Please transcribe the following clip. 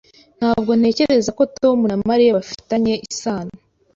Ntabwo ntekereza ko Tom na Mariya bafitanye isano.